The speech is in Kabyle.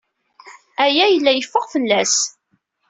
Aya yella yeffeɣ fell-as.